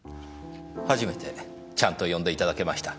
初めてちゃんと呼んでいただけました。